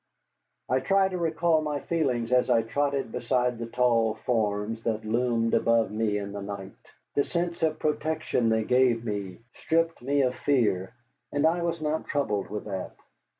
I try to recall my feelings as I trotted beside the tall forms that loomed above me in the night. The sense of protection they gave me stripped me of fear, and I was not troubled with that.